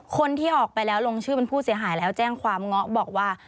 คนที่ออกไปแล้วลงชื่อเป็นผู้เสียหายแล้วแจ้งความเงาะบอกว่า